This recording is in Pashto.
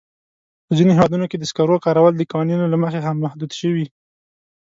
په ځینو هېوادونو کې د سکرو کارول د قوانینو له مخې محدود شوي.